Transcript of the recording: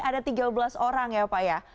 ada tiga belas orang ya pak ya